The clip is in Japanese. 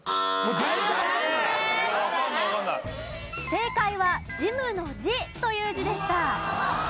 正解は事務の「事」という字でした。